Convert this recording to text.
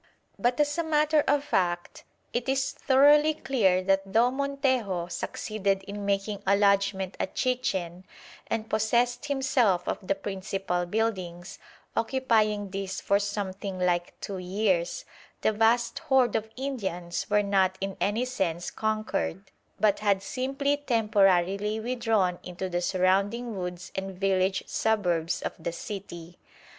But as a matter of fact it is thoroughly clear that though Montejo succeeded in making a lodgment at Chichen and possessed himself of the principal buildings, occupying these for something like two years, the vast horde of Indians were not in any sense conquered, but had simply temporarily withdrawn into the surrounding woods and village suburbs of the city.